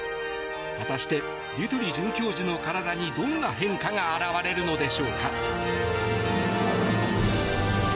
果たしてディトゥリ准教授の体にどんな変化が現れるのでしょうか。